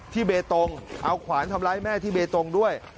เบตงเอาขวานทำร้ายแม่ที่เบตงด้วย